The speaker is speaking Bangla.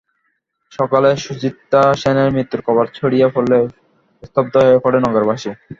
সকালে সুচিত্রা সেনের মৃত্যুর খবর ছড়িয়ে পড়লে স্তব্ধ হয়ে পড়ে নগরবাসী।